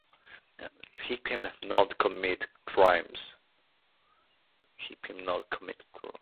He cannot commit crimes.